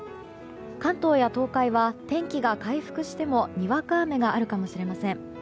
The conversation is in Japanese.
関東や東海は天気が回復してもにわか雨があるかもしれません。